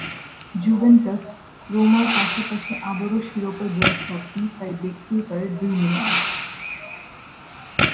Juventus, রোমার পাশাপাশি আবারও শিরোপা জয়ের স্বপ্ন তাই দেখতেই পারে দুই মিলান।